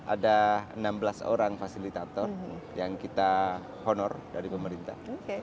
ada enam belas orang fasilitator yang kita honor dari pemerintah